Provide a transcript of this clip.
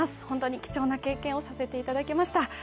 本当に貴重な経験をさせていただきました。